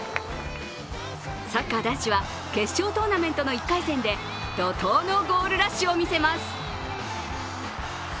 サッカー男子は決勝トーナメントの１回戦で怒とうのゴールラッシュを見せます。